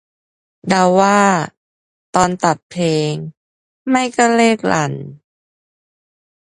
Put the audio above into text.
เดาว่า ตอนตัดเพลง ไม่ก็เลขรัน